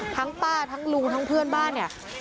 ป้าทั้งลุงทั้งเพื่อนบ้านเนี่ย